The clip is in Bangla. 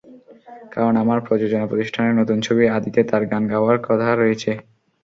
কারণ, আমার প্রযোজনা প্রতিষ্ঠানের নতুন ছবি আদিতে তাঁর গান গাওয়ার কথা রয়েছে।